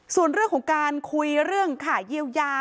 ส่วนเรื่องของการคุยเรื่องค่าเยียวยา